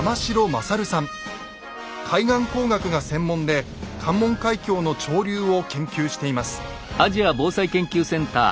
海岸工学が専門で関門海峡の潮流を研究しています。